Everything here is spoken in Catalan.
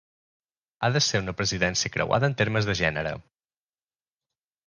Ha de ser una presidència creuada en termes de gènere.